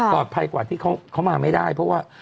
ภัยกว่าที่เขามาไม่ได้เพราะว่า